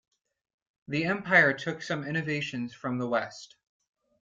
The Empire took some innovations from the West.